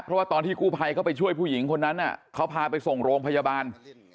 เพราะว่าตอนที่กู้ภัยเข้าไปช่วยผู้หญิงคนนั้นเขาพาไปส่งโรงพยาบาล